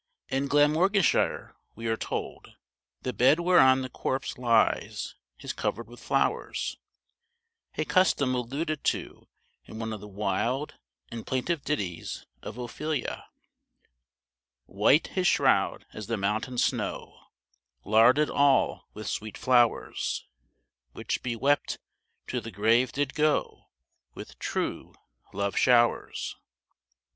In Glamorganshire, we are told, the bed whereon the corpse lies is covered with flowers, a custom alluded to in one of the wild and plaintive ditties of Ophelia: White his shroud as the mountain snow, Larded all with sweet flowers; Which be wept to the grave did go, With true love showers.